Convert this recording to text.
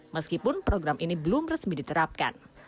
meskipun program ini belum resmi diterapkan